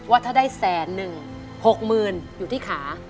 ว่าถ้าได้๑๓๑๐๐๐๐บาทอยู่ที่ขา